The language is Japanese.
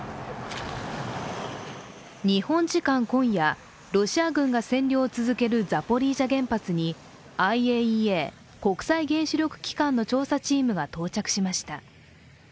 日本時間今夜、ロシア軍が占領を続けるザポリージャ原発にＩＡＥＡ＝国際原子力機関の調査チームが到着しました。